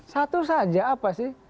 satu saja apa sih